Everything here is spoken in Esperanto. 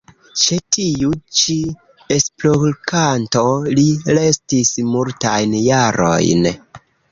Ĉe tiu ĉi esplorkampo li restis multajn jarojn.